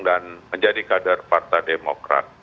dan menjadi kader partai demokrat